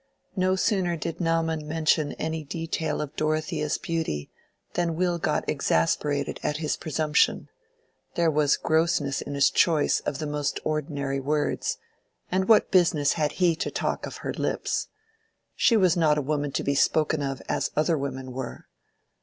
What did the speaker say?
No sooner did Naumann mention any detail of Dorothea's beauty, than Will got exasperated at his presumption: there was grossness in his choice of the most ordinary words, and what business had he to talk of her lips? She was not a woman to be spoken of as other women were.